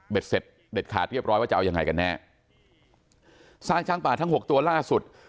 เสร็จเด็ดขาดเรียบร้อยว่าจะเอายังไงกันแน่สร้างช้างป่าทั้งหกตัวล่าสุด